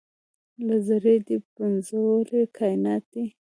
له ذرې دې پنځولي کاینات دي